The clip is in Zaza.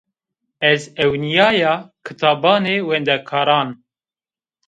Ez ewnîyaya kitabanê wendekaran